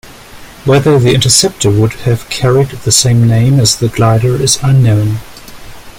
Whether the interceptor would have carried the same name as the glider is unknown.